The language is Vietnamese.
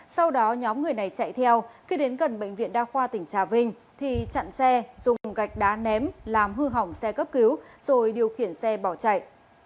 sau đó nhóm người này chạy theo khi đến gần bệnh viện đa khoa tỉnh trà vinh thì chặn xe dùng gạch đá ném làm hư hỏng xe cấp cứu rồi điều khiển xe bỏ chạy